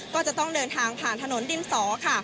ก็จะต้องเดินทางผ่านถนนดินสอค่ะ